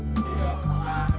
bumdes langgeng sari jaya